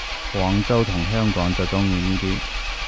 廣州同香港就鍾意呢啲